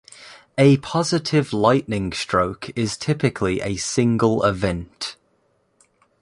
A positive lightning stroke is typically a single event.